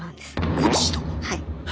はい。